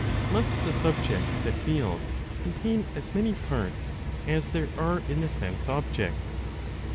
Must the subject that feels contain as many parts as there are in the sense object?